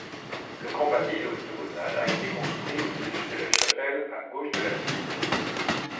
Le campanile octogonal a été construit au-dessus de la chapelle à gauche de l'abside.